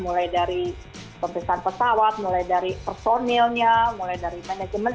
mulai dari pemeriksaan pesawat mulai dari personilnya mulai dari manajemen